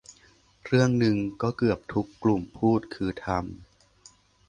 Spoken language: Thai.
เรื่องนึงที่เกือบทุกกลุ่มพูดคือทำ